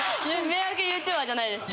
迷惑ＹｏｕＴｕｂｅｒじゃないです。